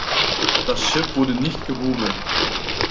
Das Schiff wurde nicht gehoben.